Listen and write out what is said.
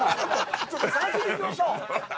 ちょっと探しに行きましょう。